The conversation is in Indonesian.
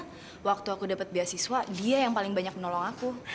hmm aku gak janji ya kalau dia seganung berantem